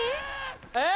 えっ？